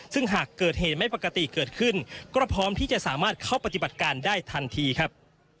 ซึ่งหากเกิดเหตุไม่ปกติเกิดขึ้นก็พร้อมที่จะสามารถเข้าปฏิบัติการได้ทันทีครับ